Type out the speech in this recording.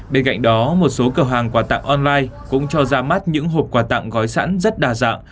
bên cạnh đó một số cửa hàng quà tặng online cũng cho ra mắt những hộp quà tặng gói sẵn rất đa dạng